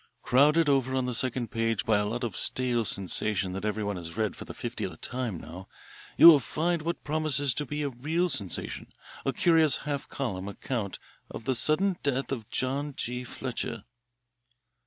Crowded over on the second page by a lot of stale sensation that everyone has read for the fiftieth time, now, you will find what promises to be a real sensation, a curious half column account of the sudden death of John G. Fletcher."